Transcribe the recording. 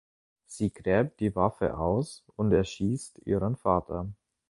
Sie gräbt die Waffe aus und erschießt ihren Vater.